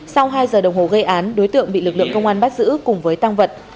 sau hai giờ đồng hồ gây án đối tượng bị lực lượng công an bắt giữ cùng với tăng vật